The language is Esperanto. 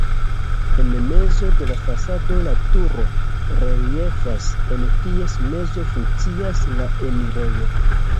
En mezo de la fasado la turo reliefas, en ties mezo funkcias la enirejo.